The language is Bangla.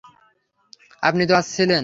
আপনি তো ছিলেন।